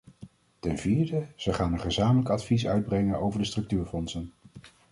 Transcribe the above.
Ten vierde, ze gaan een gezamenlijk advies uitbrengen over de structuurfondsen.